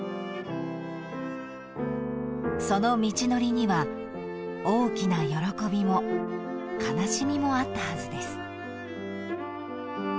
［その道のりには大きな喜びも悲しみもあったはずです］